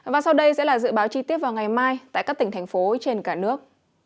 và sau đây sẽ là dự báo chi tiết vào ngày mai tại các tỉnh thành phố trên cả nước